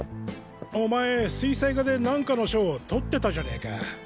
お前水彩画で何かの賞をとってたじゃねか！